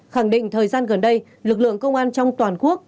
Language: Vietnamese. khẳng định thời gian gần đây lực lượng công an trong toàn quốc